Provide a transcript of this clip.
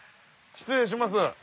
失礼します。